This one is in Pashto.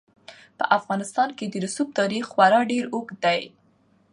په افغانستان کې د رسوب تاریخ خورا ډېر اوږد دی.